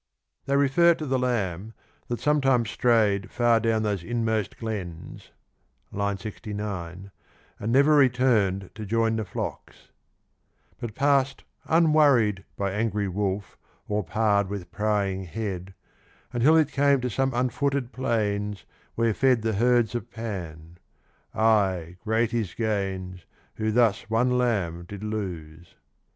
They refer to the lamb that sometimes strayed far down those inmost glens (69) and never returned to join the flocks; but pass'd unworried By angry wolf, or pard with prying head, Until it came to some unfooted plains Where fed the herds of Pan : ay great his gains Who thus one lamb did lose.